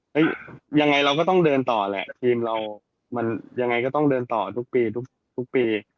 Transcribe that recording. ยังไงเราก็ต้องเดินต่อแหละทีมเรามันยังไงก็ต้องเดินต่อทุกปีทุกปี